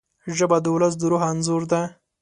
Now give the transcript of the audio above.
ژبه د ولس د روح انځور ده